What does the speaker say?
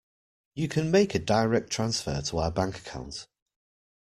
You can make a direct transfer to our bank account.